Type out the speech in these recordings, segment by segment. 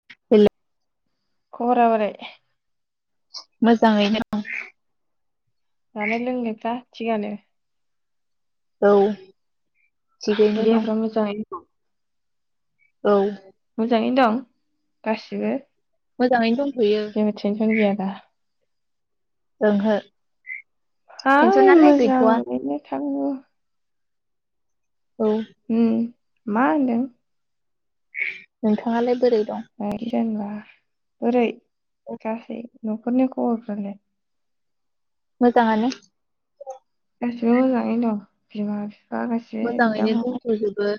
[unintelligible] खबरा बोरै मोजाङैनो जानाय लोंनायफ्रा थिगानो औ थिगैनो दं देहाफ्रा मोजाङै नो औ मोजांयैनो दं गासिबो मोजाङैनो दंथ'यो जेबो थेनसन गैयादा ओंहो है टेनसनालाय गैथ'वा मोजांयैनो [unintelligible] औ उम मा होनदों? नोंथाङालाय बोरै दं [unintelligible] जेनेबा बोरै गासै न'खरनि खबरफ्रालाय? मोजाङानो। गासिबो मोजाङैनो दं बिमा फि मोजाङैनो दंथ'जोबो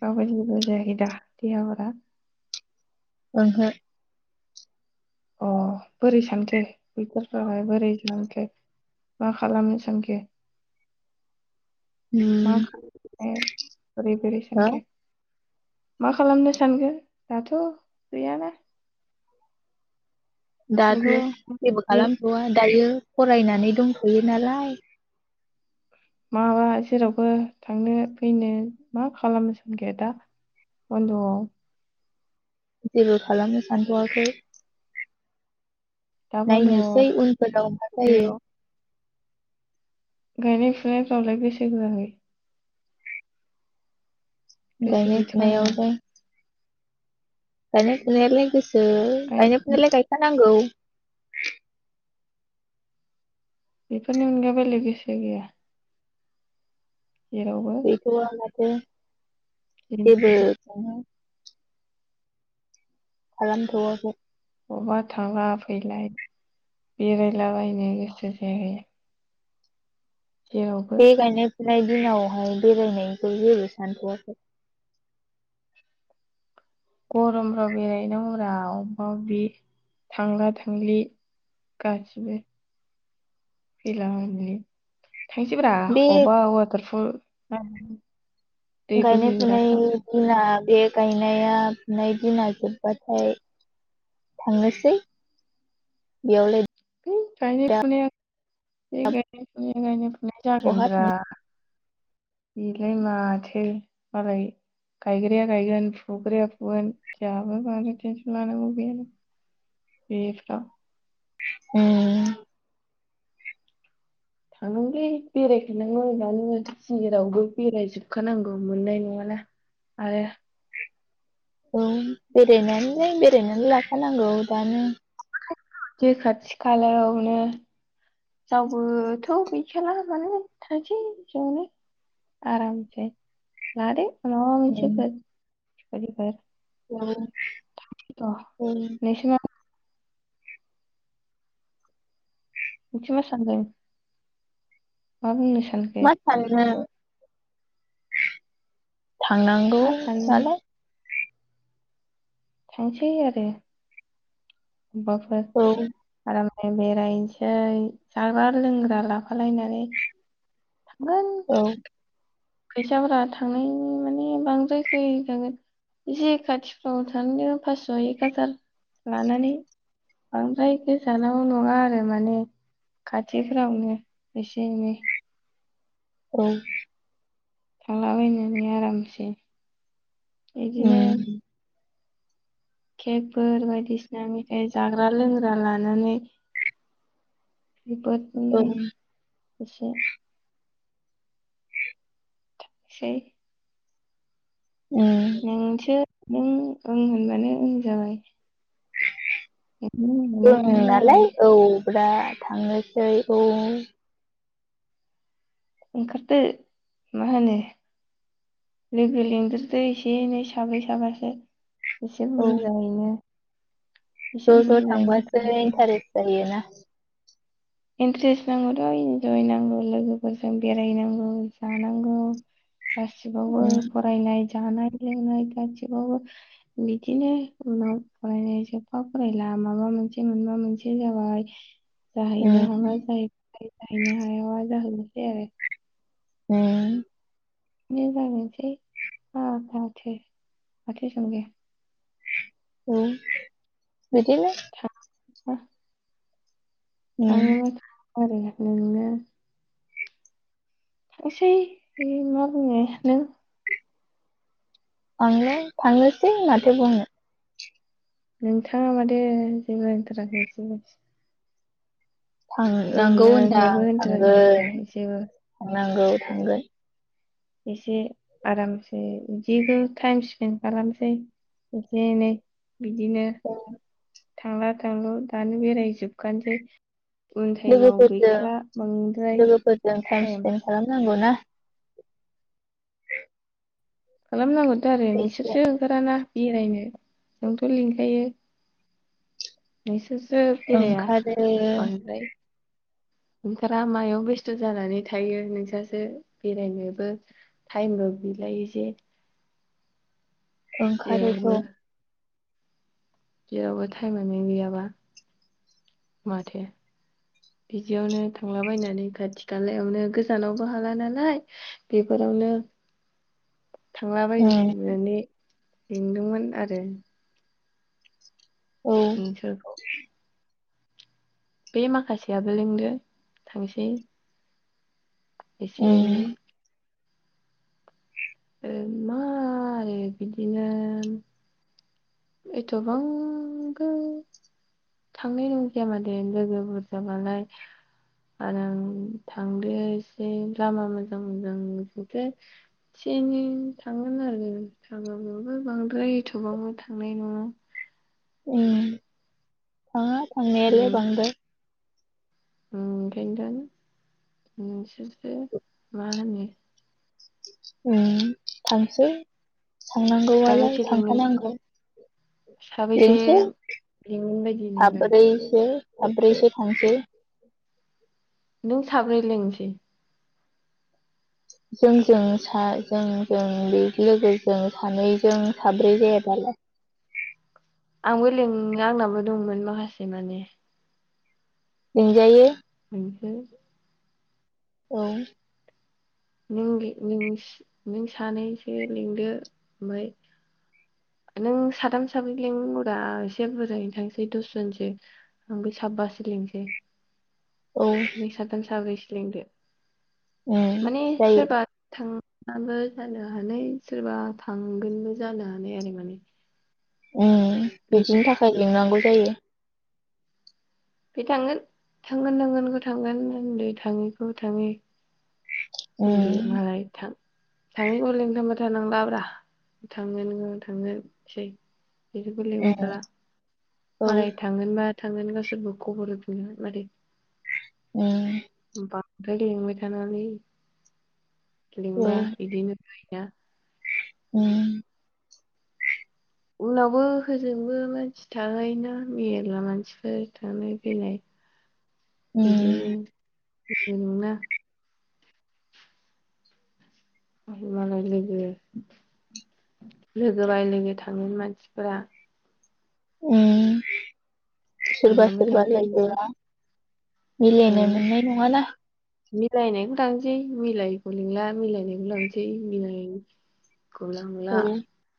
रावबो [unintelligible] ओहो अ बोरै सानखो बेरफोरखौहाय बोरै सानखो मा खालामनो सानखो? मा उम खामनो बोरै बोरै हो सानखो? मा खालामनो सानगोन दाथ' गैयाना। दाथ' बबेयाव थांनो जेबो बबेयाव खालामथ'वा दायो। फरायनानै दंथ'यो नालाय। माबा जेरावबो थांनो फैनो मा खालामनो सानखो दा बन्द'आव? जेबो खालामनो सानथ'वाखै। दा बन्द'आव नायनोसै उनफोराव मा जायो। जेराव गायनाय फुनायफ्रावलाय गोसो होआखै? गोसो गायनाय गैथ'वा नामा फुनायावबो गायनाय फुनायावलाय गोसो होय गायनाय फुनायालाय गायखानांगौ। [unintelligible] बेफोरनि अनगा बेलाग गोसो गैया जेराव गैथ'आ माथो जेन- जेबो [inaudible] खालामथ'वाखै। बबावबा थांला फैलाय बेरायला बायनो गोसो जायाखै जेरावबो बे गायनाय फुनाय दिनावहाय बेरायनायखौ जेबो सानथ'वाखै गरमफ्राव बेराय हैनांगौ ब्रा अबा अबि थांला थांलि गासिबो फैला फैलि थांसै ब्रा बे अबा वाटारफल [unintelligible] दै गायनाय फुनाय बोहैग्राफ्राव दिना बे गायनाया फुनाय दिना जोब्बाथाय थांनोसै बेयावलाय थै गायनाय दा फुनाया बे गाय फुनायानो मा जागोन बहा ब्रा? थां बेलाय माथो मालाय गायग्राया गायग्रोन फुग्राया फुगोन जोहा बे गायनायाव टेनसन लानांगौै गैयालै बेफ्राव। ओम। थांगोनलै बेरायखानांगौ दानो जेरावबो बेराय जोबखानांगौ मोननाय नङाना आरो उम बेरायनायलाय बेरायनानै लाखानांगौ दानो। जे खाथि खालायावनो जावबोथ' गैखाला नालाय थांसै ज'नो आरामसे लादो। [inaudible] [unintelligible] ओं र' ओं। नोंसो मा नोंसो मा सानदों मा बुंनो सान मा साननो। थांनांगौ मा सानो जाला। थांसै आरो। अबबाफोर औ आराम। बेरायनोसै जाग्रा लोंग्रा लाफालायनानै थांगोन। औ। फैसाफोरा थांनायनि माने बांद्राय [unintelligible] इसे खाथिफ्राव थांनो फासस' एक हाजार लानानै बांद्राय गोजानाव नङा आरो माने खाथिफ्रावनो एसे एनै। औ। थांलाबायनानै आरामसे। इदिनो उम केकफोर बायदिसिना मेथाइ जाग्रा लोंग्रा लानानै। औ बेबादिनो इसे। थांसै। नोंसो नों ओं होनबानो ओं जाबाय। इदि होनबालाय [unintelligible] जाबाय। फुरा थांनोसै औ। ओंखारदो मा होनो लोगो लिंदेरदो एसे एनै साब्रै साबासो। एसे औ बुरजायैनो। एसे ज' ज' बुरजायैनो थांबासो थांसै इन्टारेस्ट जायोना। इन्ट्रेस्ट नांगौथ' इन्जय नांगौ लोगोफोरजों बेरायनांगौ जानांगौ। गासिबावबो उम फरायनाय जानाय लोंनाय गासिबावबो बिदिनो उनाव फरायनाय जोबबा फरायला माबा मोनसे मोनबा मोनसे जाबाय। जाहैनो [unintelligible] उम जाहैनो हायाबाबो जाहैनोसै आरो उम। [unintelligible] औ। बिदिनो ओ। ओम ओरैनो नोंनो थांसै मा बुंङो नों आंलाय थांनोसै माथो बुंनो। नोंथाङा मादो जेबो होनथाराखै एसेबो? थांनांगौ होनदां नोंहाबो होनथाराखै माथो एसेबो थांगोन नांगौ थांगोन। एसे आरामसे बिदिबो टाइम स्पेन्ड खालामसै एसे एनै बिदिनो थांला थांलु दानो बेरायजोबखानोसै उन टाइमाव लोगोफोरजों गैखाला बांद्राय लोगोफोरजों टाइम स्पेन्ड खालामनांगौ ना? खालाम नांग थ' आरो एसे नोंसोरसो ओंखाराना। बेरायनो जोंथ' लिंखायो नोंसोर ओंखारो। ओंखारा मायाव बेस्थ' जानानै थायो नोंसासो बेरायनोबो टाइमबो गैलायो जे ओंखारोथ'। जेरावबो जेरावबो टाइमानो गैयाबा माथो बिदियावनो थांलाबायनानै खाथि खालायावनो गोजानावबो हाला नालाय बेफोरावनो थांलाबायनो उम होननानै लिंदोंमोन आरो। औ नोंसोरखौ। बे माखासेयाबो लिंदो थांसै उम एसे एनै ओ मा आरो बिदिनो एथ'बांबो थांनाय नंजाया मादे लोगो बुरजाबालाय आरो आं थांदो एसे लामा मोजां मोजां जुदो एसे एनै थांगोन आरो थांबाबो बांद्राय एथ'बांबो थांनाय नङा। उम। थाङा उम थांनायालाय बांद्राय उम ओंखायनोथन नोंसोरसो मा होनो? उम थांसै थांनांगौआलाय साबैसे लिंगोन थांखानांगौ साबैसे बेनोसो लिंगोन बायदि नोंलाय साब्रैसो साब्रैसो थांसेै नों साब्रै लेंसै जोंजों सा जोंजों बे लोगोजों सानैजों साब्रै जायाबालाय आंबो लिं आंनाबो दंमोन माखासे माने लिंजायो फ्राय औ नों दे नों सानैसो लिंदो ओमफ्राय नों साथाम साब्रै लिनांगौ दा एसे बुरजायैनो थांसै दसजनसो ओमफ्राय साबबासो लिंनोसै। औ नि साथाम साब्रै लेंदो उम माने जायो सोरबा थां आबो जानो हानाय सोरबा थांगोनबो जानो हानाय आरो माने उम उम बिदिनि थाखाय लिंनांगौ जायो। बे थांगोन थांगोन नांगोनखौ थांगोन उन्दै थाङैखौ थाङै बुंदो उम मालाय थां थांङैखौ लेंथाबबाय थानांरा ब्रा थांगोन थांगोनसै बिसोरखौ लिंबाय थाला उम औ मालाय थांगोनबा थांगोन गावसोरबो खबर होफिनदोंमोन माथो उम है लेंबाय थानाङालै औ लिंबा बिदिनो [unintelligible] उम उनावबो होजोंबो मानसि थाहैयोना मेरला मानसिफोर थांनाय फैनाय बिदिनो उम नोंना होमालाय लोगो लोगो बाय लोगो थाङो मानसिफोरा उम सोरबा जोंहाबो सोरबा थांसै बिदि लोगोया मिलायनो ओं मोननाय नङाना मिलायनायखौ थांसै मिलायखौ लिंला मिलायनायखौ लांसै मिलाय गला गमला औ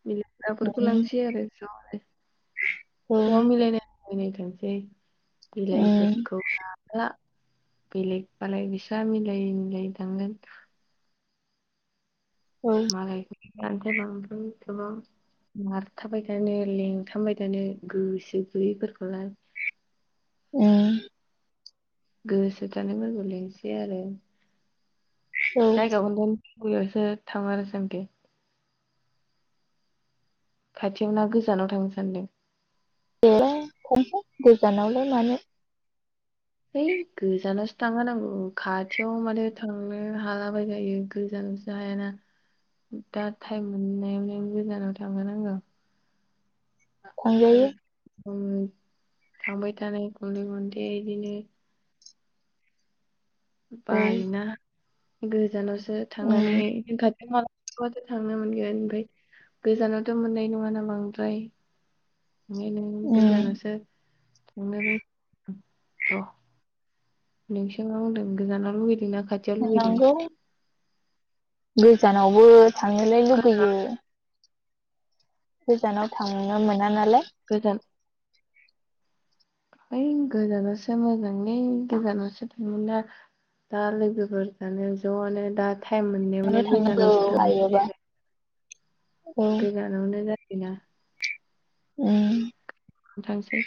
मिलायग्राफोरखौ उम लांसै आरो जयै औ ज' मिलायनाय मिलायनाय थांसै उम बिलाहिफोरखौ [unintelligible] बेलेग बालाय बिस्रा मिलाय मिलाय थांगोन औ मालाय [unintelligible] एथबां बांद्राय गोबां मारथाबाय थानो लिंथाबबाय थानो गोसो गैयैफोरखौलाय उम गोसो थानायफोरखौ लेंसै आरो औ जाय गाबा गाव गयावसो थाङो आरो जोंदि खाथियाव ना गोजानाव थांनो सानदों देलै थांसै गोजानावलाय मानो हैइ गोजानावसो थांनो नांगौ खाथियाव मानो थांनो हालाबाय थायो गोजानावसो हायाना दा टाइम मोननायावनो गोजानाव थांखा नांगौ। खंजायो उम थांबाय थानाय गले गले इदिनो दै बायना गोजानावसो ओ थांनानै उम [unintelligible] नाथ' थांनो मोनगोन ओमफ्राय गोजानावथ' मोननाय नङाना बांद्राय [unintelligible] नों उम गोजानावसो थांनो रुबथ' नोंसोर बुंदों गोजानानो लुगैदोंना? खाथियाव लुगैदों थांनांगौ गोजानावबो थांनोलाय गोजान लुगैयो गोजानाव थांनो मोना नालाय गोजोन है गोजानावसो मोजांलै गोजानावसो थांगोनदा लोगोफोर जानो ज'आनो दा टाइम मोननायावनो माला थांनांगौ गोजानावसो थांनाय लायोबा गोजानावनो [unintelligible] उम थांसै